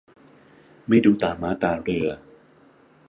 ไม่ดูตาม้าตาเรือ